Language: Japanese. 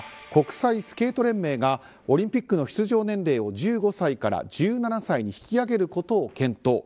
国際スケート連盟がオリンピックの出場年齢を１５歳から１７歳に引き上げることを検討。